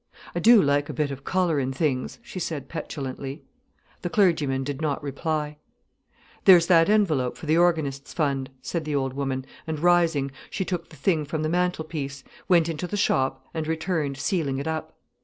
"I do like a bit of colour in things," she said, petulantly. The clergyman did not reply. "There's that envelope for the organist's fund——" said the old woman, and rising, she took the thing from the mantelpiece, went into the shop, and returned sealing it up.